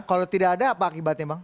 kalau tidak ada apa akibatnya bang